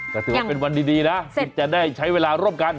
ก็ถือว่าเป็นวันดีนะที่จะได้ใช้เวลาร่วมกัน